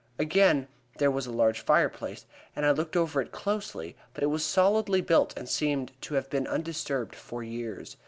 Again there was a large fireplace, and I looked over it closely; but it was solidly built and seemed to have been undisturbed for years.